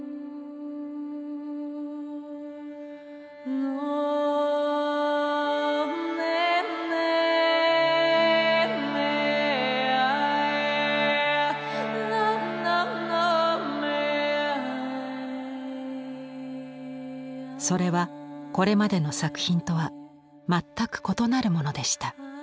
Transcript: それはこれまでの作品とは全く異なるものでした。